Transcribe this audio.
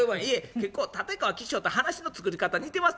結構立川吉祥と話の作り方似てます。